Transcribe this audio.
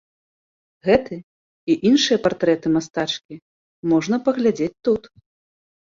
Гэты і іншыя партрэты мастачкі можна паглядзець тут.